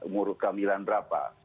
muruh kamilan berapa